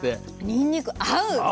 にんにく合う。